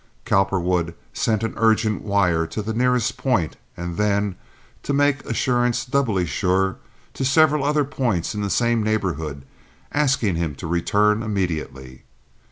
Cowperwood sent an urgent wire to the nearest point and then, to make assurance doubly sure, to several other points in the same neighborhood, asking him to return immediately.